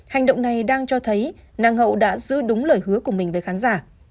hành động này đang cho thấy nang hậu đã giữ đúng lời hứa của mình với khán giả